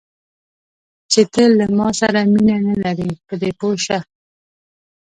چې ته له ما سره مینه نه لرې، په دې پوه شه.